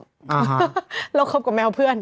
อ่าฮะฮ่าฮ่าฮ่าเลิกคบกับแมวเพื่อน